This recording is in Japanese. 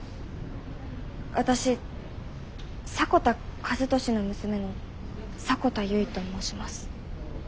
私迫田和俊の娘の迫田結と申します。